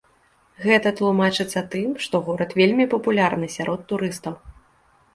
Гэта тлумачыцца тым, што горад вельмі папулярны сярод турыстаў.